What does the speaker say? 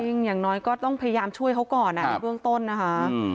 อย่างน้อยก็ต้องพยายามช่วยเขาก่อนในเบื้องต้นนะคะ